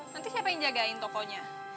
nanti siapa yang jagain tokonya